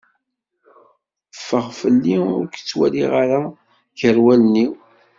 Ffeɣ fell-i ur k-tt waliɣ ara gar wallen-iw.